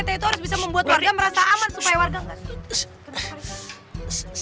pak rete itu harus bisa membuat warga merasa aman supaya warga enggak